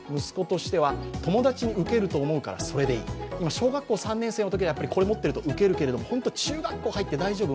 小学校３年生のときはこれ持ってるとウケるけど本当に中学校入って大丈夫？